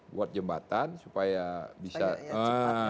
buat jembatan supaya bisa